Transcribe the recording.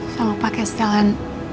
selalu pakai setelan